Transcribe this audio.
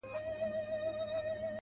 راته ستا حال راكوي.